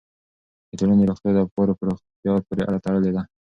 د ټولنې روغتیا د افکارو په روغتیا پورې تړلې ده.